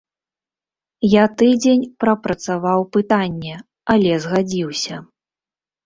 Я тыдзень прапрацаваў пытанне, але згадзіўся.